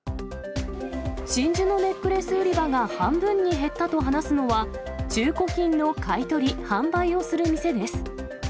真珠のネックレス売り場が半分に減ったと話すのは、中古品の買い取り、販売をする店です。